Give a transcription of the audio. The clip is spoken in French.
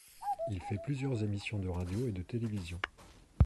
Il fait plusieurs émissions de radio et de télévision.